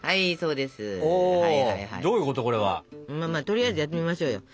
とりあえずやってみましょうよ。